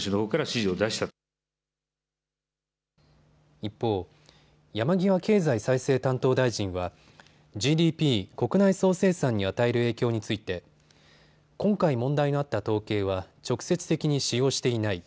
一方、山際経済再生担当大臣はＧＤＰ・国内総生産に与える影響について今回、問題のあった統計は直接的に使用していない。